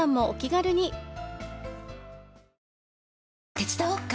手伝おっか？